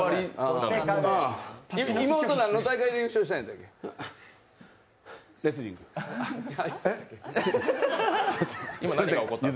妹、何の大会で優勝したんだっけ？